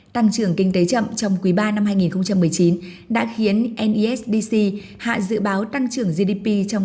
tăng trưởng kinh tế chậm trong quý ba năm hai nghìn một mươi chín đã khiến nisdc hạ dự báo tăng trưởng gdp trong